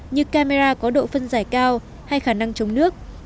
như camera có độ phân giải cao hay khả năng chống nước